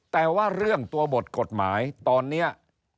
แต่ว่าเรื่องตัวบทกฎหมายตอนนี้